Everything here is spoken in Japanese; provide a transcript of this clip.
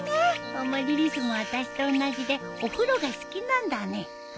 アマリリスもあたしと同じでお風呂が好きなんだね。